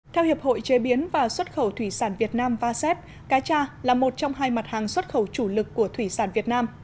theo hiệp hội chế biến và xuất khẩu thủy sản việt nam vasep cá cha là một trong hai mặt hàng xuất khẩu chủ lực của thủy sản việt nam